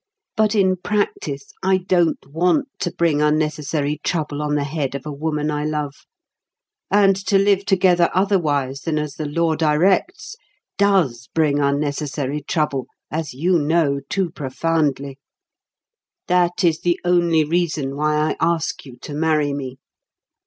But in practice, I don't want to bring unnecessary trouble on the head of a woman I love; and to live together otherwise than as the law directs does bring unnecessary trouble, as you know too profoundly. That is the only reason why I ask you to marry me.